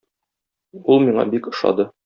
Ул миңа бик ошады.